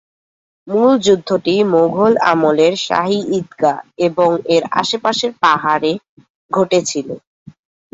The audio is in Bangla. মূল যুদ্ধটি মুঘল আমলের শাহী ঈদগাহ এবং এর আশেপাশের পাহাড়ে ঘটেছিল।